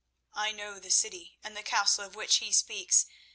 I know the city and the castle of which he speaks.